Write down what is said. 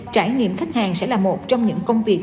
trải nghiệm khách hàng sẽ là một trong những công việc